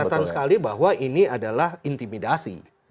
kelihatan sekali bahwa ini adalah intimidasi